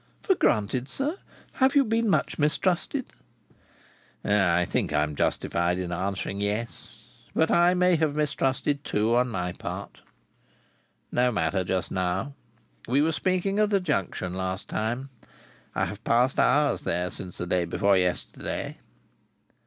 "For granted, sir? Have you been so much mistrusted?" "I think I am justified in answering yes. But I may have mistrusted too, on my part. No matter just now. We were speaking of the Junction last time. I have passed hours there since the day before yesterday."